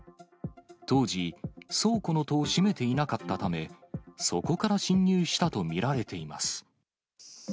当時、倉庫の戸を閉めていなかったため、そこから侵入したと見られています。